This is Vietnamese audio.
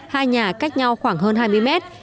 hai nhà cách nhau khoảng hơn hai mươi mét